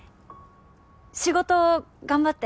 仕事頑張って。